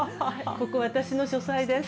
ここは私の書斎です。